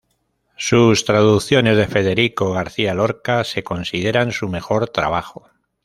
Sus traducciones de Federico García Lorca se consideran su mejor trabajo.